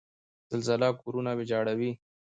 زلزله کورونه ویجاړوي.